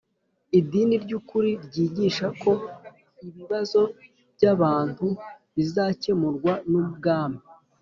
Idini ry ukuri ryigisha ko ibibazo by abantu bizakemurwa n ubwami